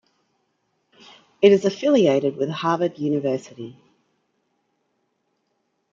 It is affiliated with Harvard University.